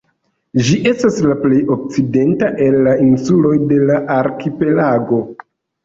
Ĝi estas la plej okcidenta el la insuloj de la arkipelago.